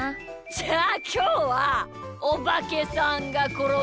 じゃあきょうは「おばけさんがころんだ」